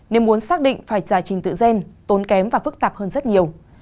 nên muốn xác định phải giải trình tựa gen tốn kém và phức tạp hơn rất nhiều